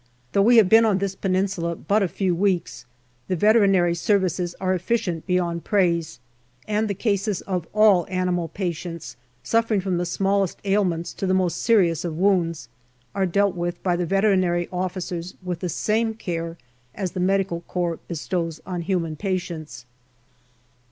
Though we have been on this Peninsula but a few weeks, the Veter inary Services are efficient beyond praise, and the cases of all animal patients, suffering from the smallest ailments to the most serious of wounds, are dealt with by the MAY 95 Veterinary Officers with the same care as the Medical Corps bestows on human patients.